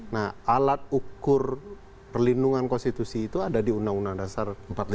nah alat ukur perlindungan konstitusi itu ada di undang undang dasar empat puluh lima